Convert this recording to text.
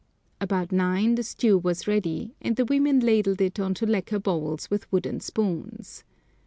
About nine the stew was ready, and the women ladled it into lacquer bowls with wooden spoons.